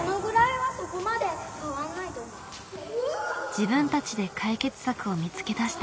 自分たちで解決策を見つけ出した。